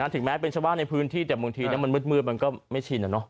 ถึงแม้เป็นชาวบ้านในพื้นที่แต่บางทีมันมืดมันก็ไม่ชิน